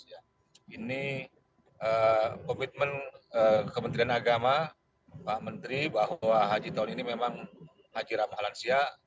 ini komitmen kementerian agama pak menteri bahwa haji tahun ini memang haji rahma lansia